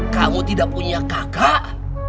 kamu tidak punya kakak